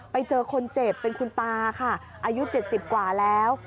ไปเจอคนเจ็บเป็นคุณตาค่ะอายุ๗๐กว่าแล้ว